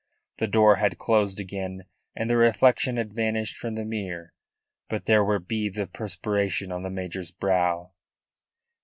The door had closed again and the reflection had vanished from the mirror. But there were beads of perspiration on the major's brow.